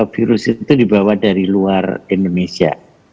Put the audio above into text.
virus itu dibawa dari luar indonesia